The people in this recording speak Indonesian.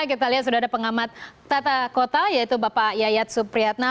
kita lihat sudah ada pengamat tata kota yaitu bapak yayat supriyatna